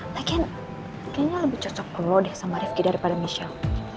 lagian kayaknya lebih cocok ke lo deh sama ripki daripada michelle